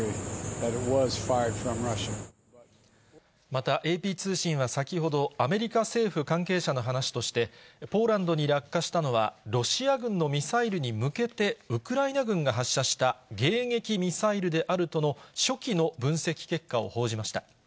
またＡＰ通信は、先ほど、アメリカ政府関係者の話として、ポーランドに落下したのは、ロシア軍のミサイルに向けてウクライナ軍が発射した迎撃ミサイルであるとの初期の分析結果を報じました。